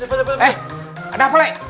eh ada apa lek